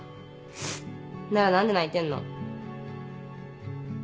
なら何で泣いてんの？